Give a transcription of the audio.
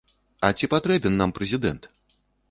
А ці патрэбен нам прэзідэнт?